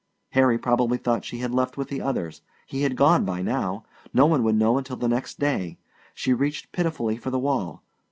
Harry probably thought she had left with the others he had gone by now; no one would know until next day. She reached pitifully for the wall.